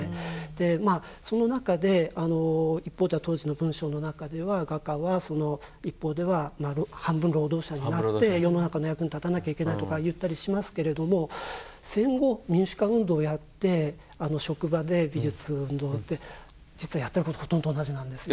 でまあその中で一方では当時の文章の中では画家はその一方では半分労働者になって世の中の役に立たなきゃいけないとか言ったりしますけれども戦後民主化運動をやって職場で美術運動って実はやってることほとんど同じなんですよ。